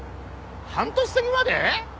半年先まで！？